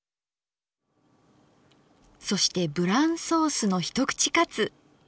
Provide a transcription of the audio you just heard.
そしてブランソースの一口かつ。